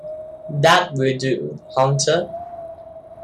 That will do, Hunter.